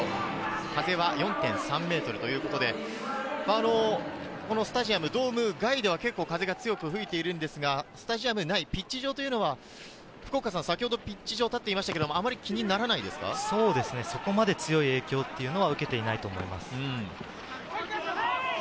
風は４．３メートルということで、このスタジアム、ドーム外では風が強く吹いているんですが、スタジアム内、先ほどピッチ上に福岡さん立っていましたけれど、そこまで強い影響は受けていないと思います。